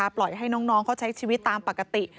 ปล่อยให้น้องเขาใช้ชีวิตตามปกติ